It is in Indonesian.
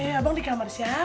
iya abang di kamar siapa nih